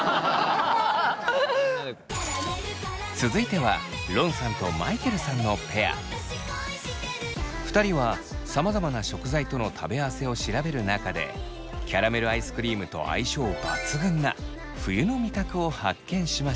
続いては２人はさまざまな食材との食べ合わせを調べる中でキャラメルアイスクリームと相性抜群な冬の味覚を発見しました。